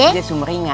masih dia sumringah